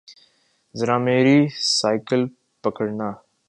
ذرامیری cycle پکڑنا